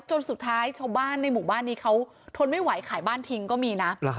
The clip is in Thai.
จนสุดท้ายชาวบ้านในหมู่บ้านนี้เขาทนไม่ไหวขายบ้านทิ้งก็มีนะ